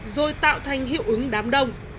rồi tạo thành hiệu ứng đám đông